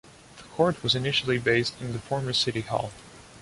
The court was initially based in the former city hall.